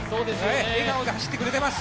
笑顔で走ってくれています。